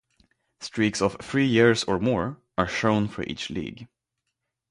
Streaks of three years or more are shown for each league.